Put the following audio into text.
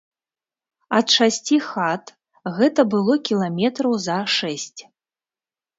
Ад шасці хат гэта было кіламетраў за шэсць.